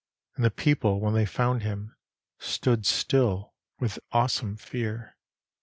And the people, when they found him, Stood still with awesome fear.